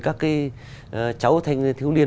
các cái cháu thiếu niên